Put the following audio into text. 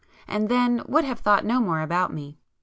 and then would have thought no more about me.